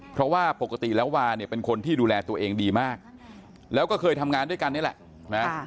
เพราะว่าปกติแล้ววาเนี่ยเป็นคนที่ดูแลตัวเองดีมากแล้วก็เคยทำงานด้วยกันนี่แหละนะ